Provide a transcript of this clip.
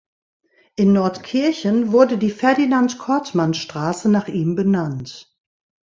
In Nordkirchen wurde die Ferdinand-Kortmann-Straße nach ihm benannt.